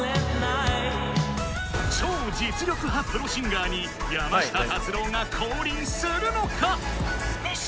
超実力派プロシンガーに山下達郎が降臨するのか⁉・熱唱！